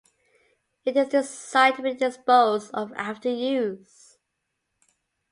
It is designed to be disposed of after use.